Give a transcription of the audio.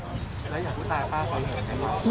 แล้วอย่างกูตายป้าก็เหนื่อยกับเซเว่น